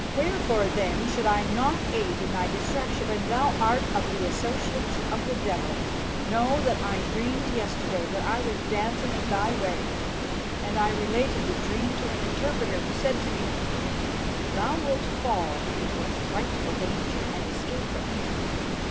Wherefore, then, should I not aid in thy destruction when thou art of the associates of the devil? Know that I dreamt yesterday that I was dancing at thy wedding, and I related the dream to an interpreter, who said to me, 'Thou wilt fall into a frightful danger, and escape from it.'